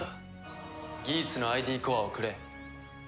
ギーツのＩＤコアをくれ。